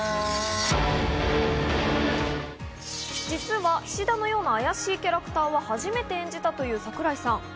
実は菱田のような怪しいキャラクターは初めて演じたという桜井さん。